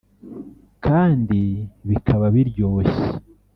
kandi bikaba biryoshye